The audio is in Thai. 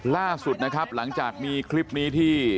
ล่าสุดนะครับหลังจากมีคลิปนี้ที่